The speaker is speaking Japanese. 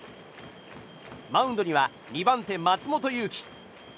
マウンドには２番手、松本裕樹。